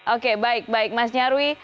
oke baik baik mas nyarwi